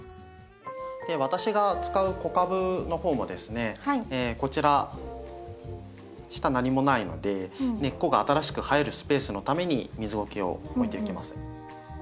私が使う子株の方もですねこちら下何もないので根っこが新しく生えるスペースのために水ごけを置いていきます。